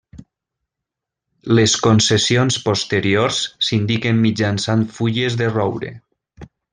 Les concessions posteriors s'indiquen mitjançant fulles de roure.